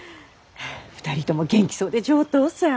２人とも元気そうで上等さぁ。